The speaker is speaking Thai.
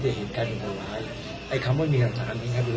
ใช่แล้วก็เป็นพื้นที่ฝากเขาอะไรอย่างนี้